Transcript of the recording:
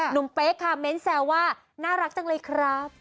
หนุ่มเป๊กค่ะเม้นต์แซว่าน่ารักจังเลยครับ